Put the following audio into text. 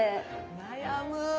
悩む。